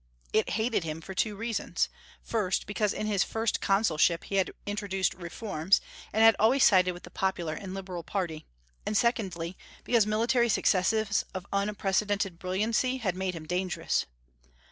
It hated him for two reasons: first, because in his first consulship he had introduced reforms, and had always sided with the popular and liberal party; and secondly, because military successes of unprecedented brilliancy had made him dangerous.